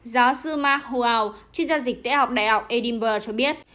giáo sư mark hual chuyên gia dịch tế học đại học edinburgh cho biết